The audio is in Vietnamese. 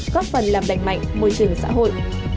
góp phần làm đành mạnh môi trường xã hội